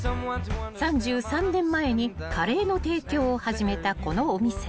［３３年前にカレーの提供を始めたこのお店］